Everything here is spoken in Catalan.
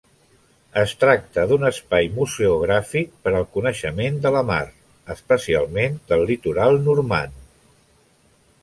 Es tracta d'un espai museogràfic per al coneixement de la mar, especialment del litoral normand.